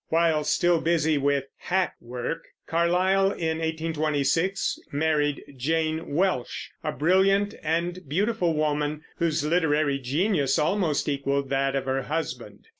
While still busy with "hack work," Carlyle, in 1826, married Jane Welsh, a brilliant and beautiful woman, whose literary genius almost equaled that of her husband.